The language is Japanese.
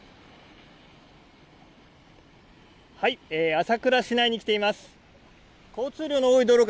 朝倉市内に来ています。